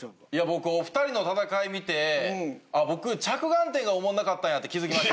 僕お二人の戦い見て僕着眼点がおもんなかったんやって気付きました。